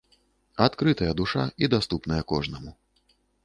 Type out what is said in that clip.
Адкрытая душа і даступная кожнаму.